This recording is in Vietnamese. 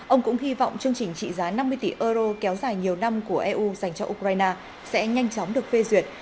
ông cũng hy vọng chương trình trị giá năm mươi tỷ euro kéo dài nhiều năm của eu dành cho ukraine sẽ nhanh chóng được phê duyệt